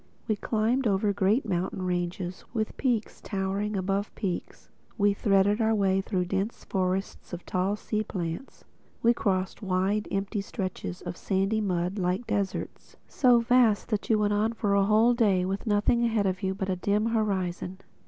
We climbed over great mountain ranges, with peaks towering above peaks. We threaded our way through dense forests of tall sea plants. We crossed wide empty stretches of sandy mud, like deserts—so vast that you went on for a whole day with nothing ahead of you but a dim horizon.